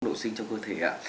độ sinh trong cơ thể ạ